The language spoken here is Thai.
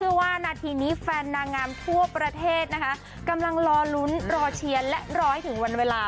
ว่านาทีนี้แฟนนางงามทั่วประเทศนะคะกำลังรอลุ้นรอเชียร์และรอให้ถึงวันเวลา